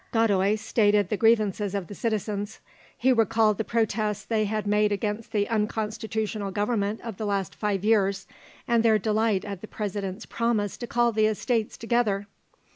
Godoy stated the grievances of the citizens. He recalled the protests they had made against the unconstitutional government of the last five years, and their delight at the President's promise to call the Estates together.